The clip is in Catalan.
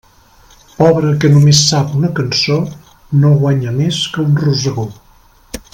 Pobre que només sap una cançó no guanya més que un rosegó.